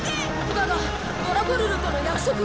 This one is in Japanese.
だがドラコルルとの約束が。